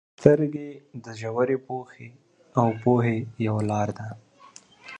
• سترګې د ژورې پوهې او پوهې یو لار ده.